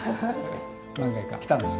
何回か来たんですよ